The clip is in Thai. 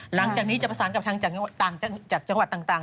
หลังจากนี้จะผสานกับทางจักรากวัดต่าง